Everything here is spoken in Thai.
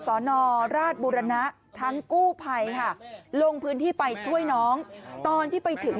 สนราชบุรณะทั้งกู้ภัยค่ะลงพื้นที่ไปช่วยน้องตอนที่ไปถึง